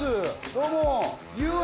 どうも。